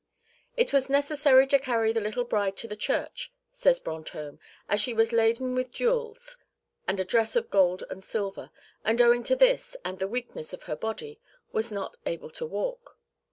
"It was necessary to carry the little bride to the church," says Brantôme, "as she was laden with jewels and a dress of gold and silver, and owing to this and the weakness of her body, was not able to walk.